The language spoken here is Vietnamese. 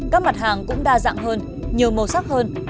các mặt hàng cũng đa dạng hơn nhiều màu sắc hơn